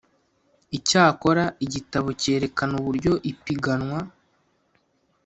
Icyakora igitabo cyerekana uburyo ipiganwa